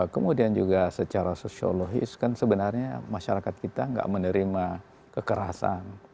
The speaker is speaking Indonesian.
kemudian juga secara sosiologis kan sebenarnya masyarakat kita nggak menerima kekerasan